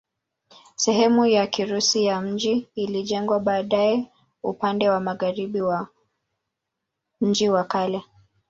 Sehemu ya Kirusi ya mji ilijengwa baadaye upande wa magharibi wa mji wa kale.